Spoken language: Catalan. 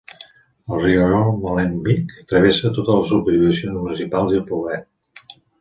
El rierol Molenbeek travessa totes les subdivisions municipals i el poblet.